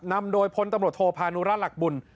นำโดยพลตำรวจโทพานุราชหลักบุญ